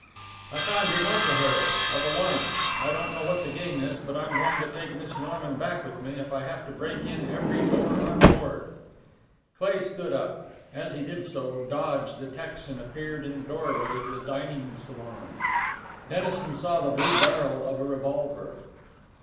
"I found your note to her. I've a launch. I don't know what the game is, but I'm going to take Miss Norman back with me if I have to break in every door on board!" Cleigh stood up. As he did so Dodge, the Texan appeared in the doorway to the dining salon. Dennison saw the blue barrel of a revolver.